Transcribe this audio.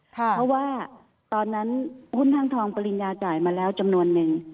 เพราะว่าตอนนั้นหุ้นทางทองปริญญาจ่ายมาแล้วจำนวนนึง